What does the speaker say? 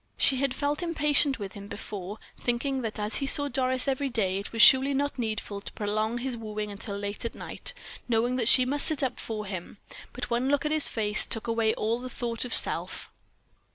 She had felt impatient with him before, thinking that as he saw Doris every day, it was surely not needful to prolong his wooing until late at night, knowing that she must sit up for him; but one look at his face took away all thought of self.